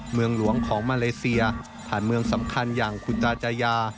เมืองหลวงของมาเลเซียผ่านเมืองสำคัญอย่างคุณตาจายา